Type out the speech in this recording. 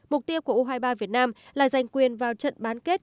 mục tiêu của u hai mươi ba việt nam là giành quyền vào trận bán kết